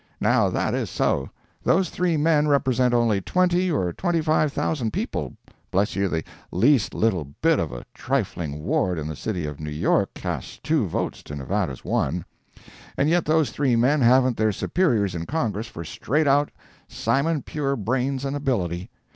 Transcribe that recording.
Now that is so. Those three men represent only twenty or twenty five thousand people—bless you, the least little bit of a trifling ward in the city of New York casts two votes to Nevada's one—and yet those three men haven't their superiors in Congress for straight out, simon pure brains and ability.